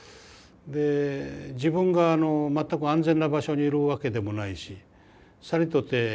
で自分が全く安全な場所にいるわけでもないしさりとて